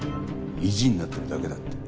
意地になってるだけだって。